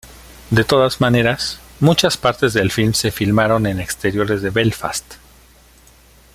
De todas maneras, muchas partes del film se filmaron en exteriores de Belfast